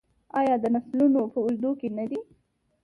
آیا د نسلونو په اوږدو کې نه دی؟